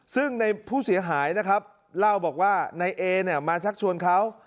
ซึ่งในผู้เสียหายนะครับเล่าบอกว่านายเอเนี่ยมาชักชวนเขา